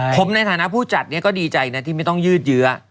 ผมในฐานะผู้จัดเนี่ยก็ดีใจนะที่ไม่ต้องยืดเยื้อ